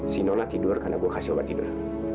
si nona tidur karena gue kasih obat tidur